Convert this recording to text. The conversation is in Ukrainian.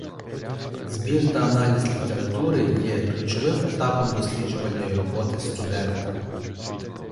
Збір та аналіз літератури є ключовим етапом досліджувальної роботи студента.